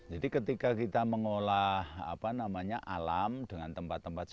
jadi ketika kita mengolah alam dengan tempat tempatnya